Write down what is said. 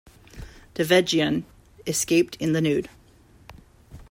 Devedjian escaped in the nude.